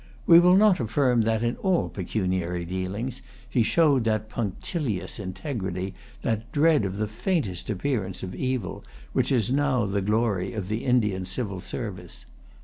We will not affirm that, in all pecuniary dealings, he showed that punctilious integrity, that dread of the faintest appearance of evil, which is now the glory of the Indian civil service.